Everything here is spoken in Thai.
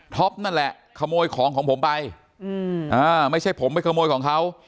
นั่นแหละขโมยของของผมไปไม่ใช่ผมไปขโมยของเขา